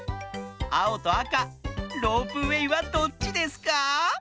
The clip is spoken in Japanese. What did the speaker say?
あおとあかロープウエーはどっちですか？